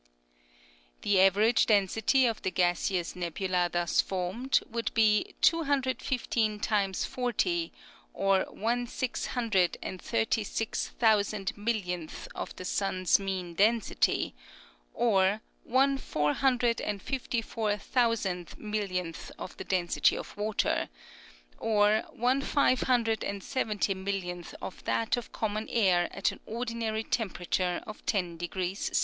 The average density of the gaseous nebula thus formed would be (215 x 40), or one six hund red and thirty six thousand millionth of the sun's mean density ; or one four hundred and fifty four thousand millionth of the density of water ; or one five hundred and seventy millionth of that of common air at an ordinary temperature of io┬░ C.